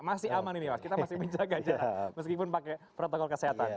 masih aman ini mas kita masih menjaga jarak meskipun pakai protokol kesehatan